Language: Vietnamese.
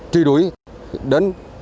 truy đuối đến